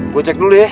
gua cek dulu ya